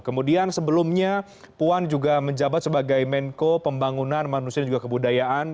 kemudian sebelumnya puan juga menjabat sebagai menko pembangunan manusia dan juga kebudayaan